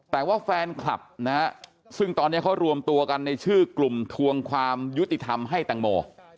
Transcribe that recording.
แต่ว่าแฟนคลับนะฮะซึ่งตอนนี้เขารวมตัวกันในชื่อกลุ่มทวงความยุติธรรมให้แตงโม